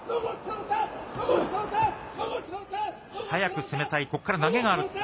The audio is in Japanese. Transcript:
速く攻めたい、ここから投げがある。